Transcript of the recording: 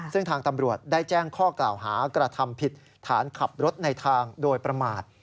ซึ่งทางตำรวจได้แจ้งข้อกล่าวหากระทำผิดฐานขับรถในทางโดยประมาท